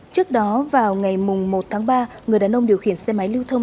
trước đó vào ngày một tháng ba người đàn ông điều khiển xe máy lưu thông